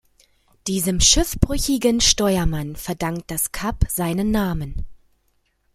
Diesem schiffbrüchigen Steuermann verdankt das Kap seinen Namen.